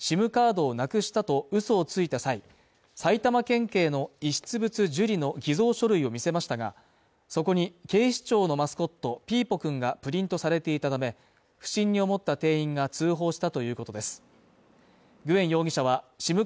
警視庁によりますと、グエン容疑者らは、店員に対して、ＳＩＭカードをなくしたと嘘をついた際、埼玉県警の遺失物受理の偽造書類を見せましたが、そこに警視庁のマスコットピーポくんがプリントされていたため、不審に思った店員が通報したということです。